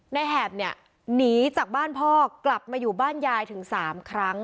แหบเนี่ยหนีจากบ้านพ่อกลับมาอยู่บ้านยายถึง๓ครั้ง